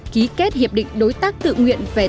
ký kết hiệp định đối tác tự nguyện